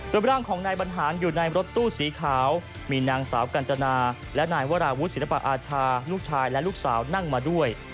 โดยร่างของนายบรรหารอยู่ในรถตู้สีขาวมีนางสาวกัญจนาและนายวราวุศิลปอาชาลูกชายและลูกสาวนั่งมาด้วย